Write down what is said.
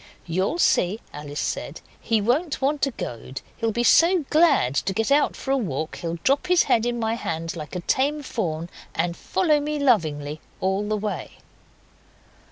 'You'll see,' Alice said, 'he won't want a goad. He'll be so glad to get out for a walk he'll drop his head in my hand like a tame fawn, and follow me lovingly all the way.